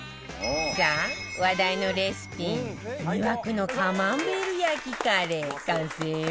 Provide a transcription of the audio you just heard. さあ話題のレシピ魅惑のカマンベール焼きカレー完成よ